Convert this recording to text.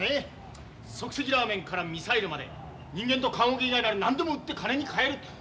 即席ラーメンからミサイルまで人間と棺おけ以外なら何でも売って金に換える。